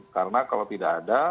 karena kalau tidak ada